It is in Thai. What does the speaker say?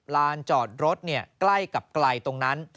ลานจอดรถใกล้กับไกลตรงนั้น